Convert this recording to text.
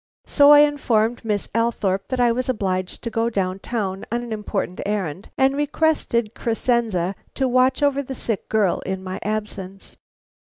So I informed Miss Althorpe that I was obliged to go down town on an important errand, and requested Crescenze to watch over the sick girl in my absence.